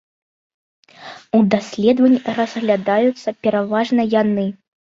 У даследаванні разглядаюцца пераважна яны.